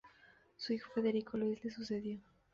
Su hijo Federico Luis le sucedió.